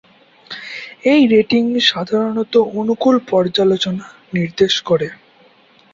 এই রেটিং "সাধারণত অনুকূল পর্যালোচনা" নির্দেশ করে।